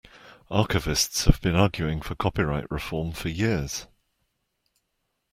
Archivists have been arguing for copyright reform for years.